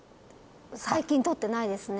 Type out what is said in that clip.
最近とってないですね